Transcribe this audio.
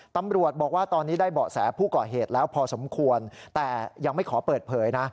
ตำรวจบอกว่าตอนนี้ได้เบาะแสผู้ก่อเหตุแล้วพอสมควรแต่ยังไม่ขอเปิดเผยนะ